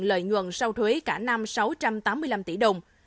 lợi nhuận sau thuế cả năm sáu trăm tám mươi năm tỷ đồng